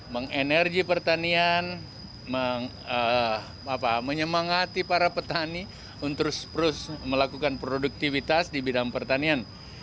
mengenergi pertanian menyemangati para petani untuk terus melakukan produktivitas di bidang pertanian